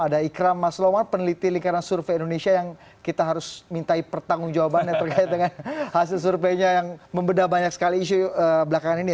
ada ikram masloman peneliti lingkaran survei indonesia yang kita harus minta pertanggung jawabannya terkait dengan hasil surveinya yang membeda banyak sekali isu belakangan ini